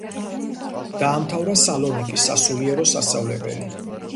დაამთავრა სალონიკის სასულიერო სასწავლებელი.